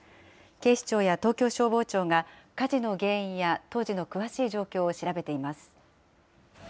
警視庁や東京消防庁が、火事の原因や当時の詳しい状況を調べています。